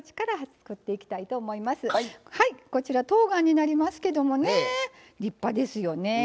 こちらとうがんになりますけども立派ですよね。